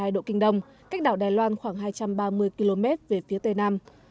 một trăm một mươi tám hai độ kinh đông cách đảo đài loan khoảng hai trăm ba mươi km về phía tây nam